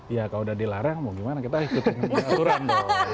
ya kalau udah dilarang mau gimana kita ikutin aturan dong